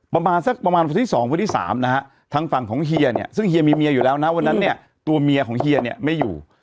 ประมาณสักประมาณวันที่๒วันที่๓นะฮะทางฝั่งของเฮียเนี่ยซึ่งเฮียมีเมียอยู่แล้วนะวันนั้นเนี่ยตัวเมียของเฮียเนี่ยไม่อยู่